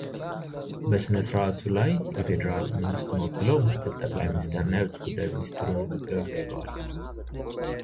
በሥነ ሥርዓቱ ላይ የፌደራል መንግሥቱን ወክለው ምክትል ጠቅላይ ሚኒስትር እና የውጭ ጉዳይ ሚኒስትሩ ንግግር አድርገዋል።